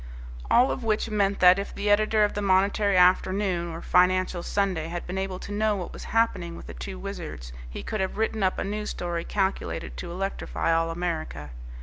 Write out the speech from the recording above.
All of which meant that if the editor of the Monetary Afternoon or Financial Sunday had been able to know what was happening with the two wizards, he could have written up a news story calculated to electrify all America.